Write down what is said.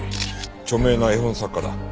著名な絵本作家だ。